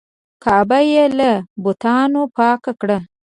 کعبه یې له بتانو پاکه کړه.